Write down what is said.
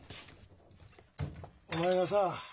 お前がさ